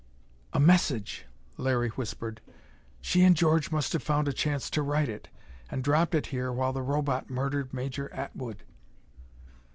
"A message!" Larry whispered. "She and George must have found a chance to write it, and dropped it here while the Robot murdered Major Atwood!"